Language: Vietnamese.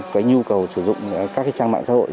có nhu cầu sử dụng các trang mạng xã hội